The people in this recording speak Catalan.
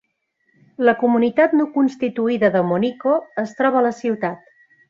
La comunitat no constituïda de Monico es troba a la ciutat.